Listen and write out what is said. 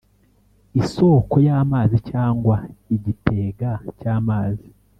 isoko y amazi cyangwa igitega cy amazi